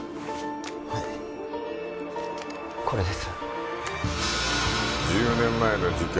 はいこれです